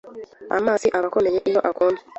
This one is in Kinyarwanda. Amazi aba akomeye iyo akonje.